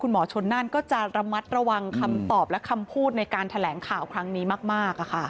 หมอชนนั่นก็จะระมัดระวังคำตอบและคำพูดในการแถลงข่าวครั้งนี้มาก